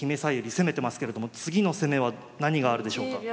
攻めてますけれども次の攻めは何があるでしょうか。